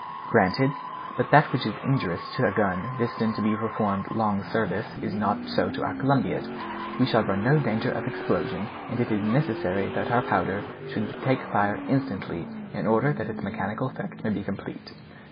"Granted; but that which is injurious to a gun destined to perform long service is not so to our Columbiad. We shall run no danger of an explosion; and it is necessary that our powder should take fire instantaneously in order that its mechanical effect may be complete."